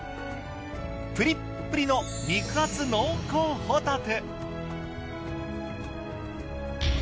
プリップリの肉厚濃厚ホタテ。